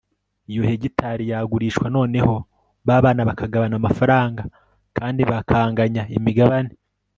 iyo hegitari yagurishwa noneho ba bana bakagabana amafaranga, kandi bakanganya imigabane